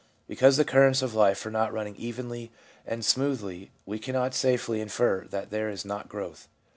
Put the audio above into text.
Because the cur rents of life are not running evenly and smoothly, we cannot safely infer that there is not growth.